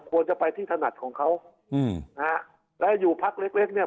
ควรจะไปที่ถนัดของเขาอืมนะฮะและอยู่พักเล็กเล็กเนี่ย